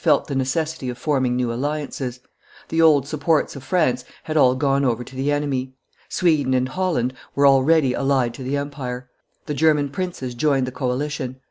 felt the necessity of forming new alliances; the old supports of France had all gone over to the enemy. Sweden and Holland were already allied to the empire; the German princes joined the coalition.